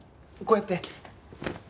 こうやって。